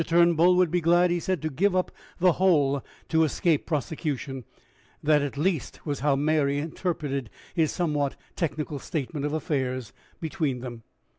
Turnbull would be glad, he said, to give up the whole to escape prosecution that at least was how Mary interpreted his somewhat technical statement of affairs between them.